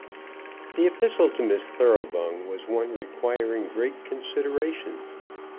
The epistle to Miss Thoroughbung was one requiring great consideration.